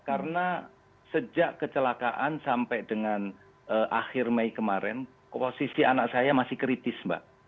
karena sejak kecelakaan sampai dengan akhir mei kemarin posisi anak saya masih kritis mbak